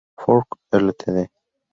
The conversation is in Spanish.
Fork Ltd.